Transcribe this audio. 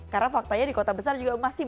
karena faktanya di kota besar juga masih